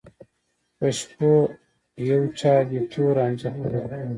په شپو یو چا دي تور رانجه خوړلي